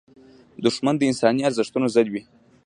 دښمن د انساني ارزښتونو ضد وي